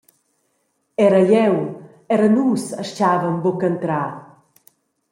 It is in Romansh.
Era jeu… era nus astgavan buc entrar.»